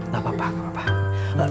tak apa tak apa